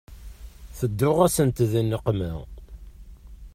Tedduɣ-asent di nneqma.